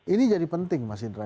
ini jadi penting mas indra